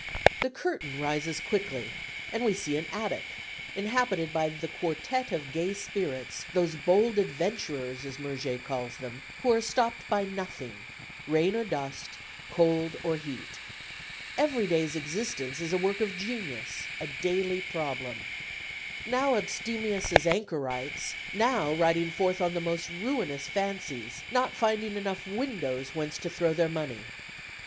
The curtain rises quickly, and we see an attic, inhabited by the quartet of gay spirits, those bold adventurers, as Murger calls them, who are stopped by nothing rain or dust, cold or heat. Every day's existence is a work of genius, a daily problem. Now abstemious as anchorites, now riding forth on the most ruinous fancies, not finding enough windows whence to throw their money.